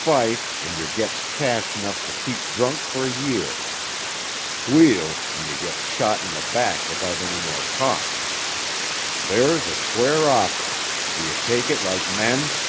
Fight an' yer gits cash 'nuff to keep drunk fer a year; squeal an' yer gits shot in the back without any more talk. There's a square offer do ye take it like men?"